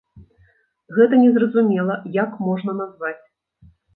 Гэта незразумела як можна назваць.